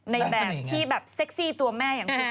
ในแบบที่แบบเซ็กซี่ตัวแม่อย่างแม่